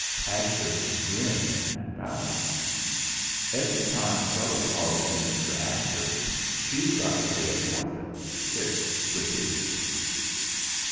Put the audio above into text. Ashurst grinned and bowed. "Every time Stella calls you Mr. Ashurst, she's got to pay a forfeit. It's ridiculous."